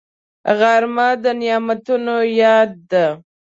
غرمه د نعمتونو یاد ده